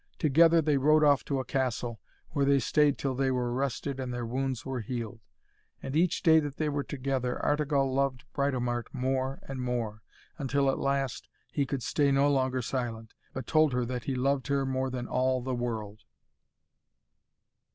Together they rode off to a castle, where they stayed till they were rested and their wounds were healed. And each day that they were together Artegall loved Britomart more and more, until at last he could stay no longer silent, but told her that he loved her more than all the world.